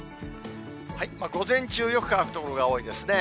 午前中、よく乾く所が多いですね。